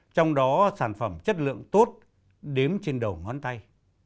trong đó sản phẩm chất lượng tốt đếm trên đầu ngón tay